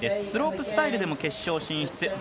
スロープスタイルでも決勝進出。